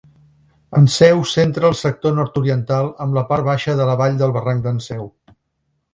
Enseu centra el sector nord-oriental, amb la part baixa de la vall del Barranc d'Enseu.